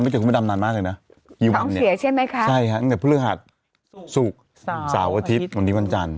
ไม่เจอคุณพิมพ์ดำนานมากเลยนะท้องเสียใช่ไหมคะใช่ครับตั้งแต่พฤหัสสุกสาวอาทิตย์วันนี้วันจันทร์